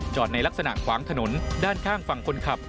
ในลักษณะขวางถนนด้านข้างฝั่งคนขับ